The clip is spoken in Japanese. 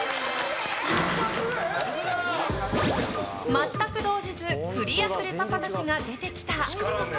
全く動じずクリアするパパたちが出てきた。